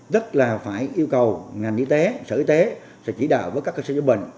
tức là phải yêu cầu ngành y tế sở y tế sẽ chỉ đạo với các cơ sở chế bệnh